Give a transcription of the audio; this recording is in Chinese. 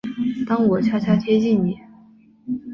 当我悄悄贴近你